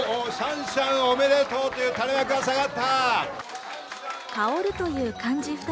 シャンシャン、おめでとう！という垂れ幕が下がった。